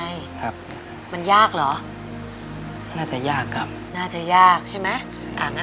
ช่วยที่ไหนจ้าง